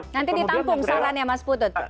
nanti ditampung sarannya mas putut